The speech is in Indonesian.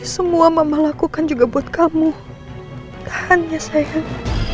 semua mama lakukan juga buat kamu tahan ya sayang